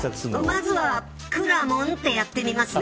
まずはくらもんってやってみますね。